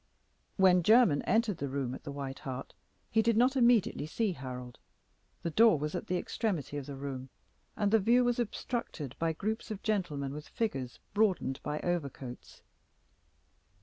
When Jermyn entered the room at the White Hart he did not immediately see Harold. The door was at the extremity of the room, and the view was obstructed by groups of gentlemen with figures broadened by overcoats.